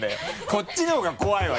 こっちのほうが怖いわ！